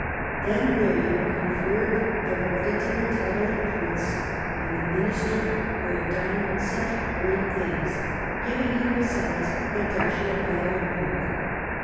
^ Then William conferred the hereditary title of Prince on the Minister who had done such great things, giving him besides the Duchy of fifsmarck Lauenburg.